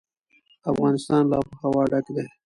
افغانستان له آب وهوا ډک دی.